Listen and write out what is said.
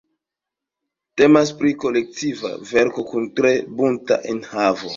Temas pri kolektiva verko kun tre bunta enhavo.